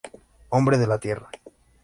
Hombre de la tierra.